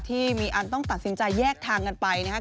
ที่มีอันต้องตัดสินใจแยกทางกันไปนะครับ